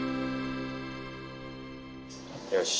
よし。